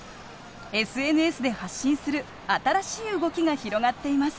ＳＮＳで発信する新しい動きが広がっています。